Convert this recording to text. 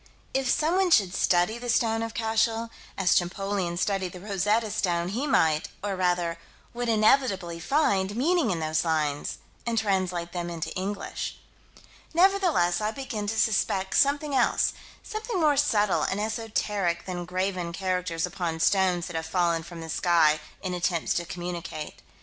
If someone should study the stone of Cashel, as Champollion studied the Rosetta stone, he might or, rather, would inevitably find meaning in those lines, and translate them into English Nevertheless I begin to suspect something else: something more subtle and esoteric than graven characters upon stones that have fallen from the sky, in attempts to communicate.